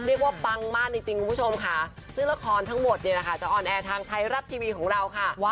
ปังมากจริงคุณผู้ชมค่ะซึ่งละครทั้งหมดเนี่ยนะคะจะออนแอร์ทางไทยรัฐทีวีของเราค่ะ